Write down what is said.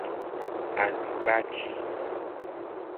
Adubati.